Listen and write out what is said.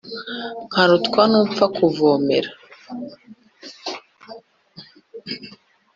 Nkarutwa n' upfa kuvomera.